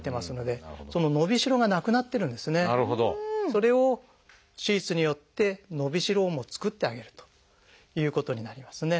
それを手術によって伸びしろを作ってあげるということになりますね。